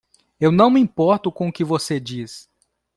Eu não me importo com o que você diz.